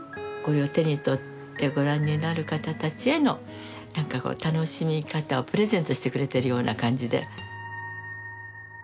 これを手に取ってご覧になる方たちへのなんかこう楽しみ方をプレゼントしてくれてるような感じで。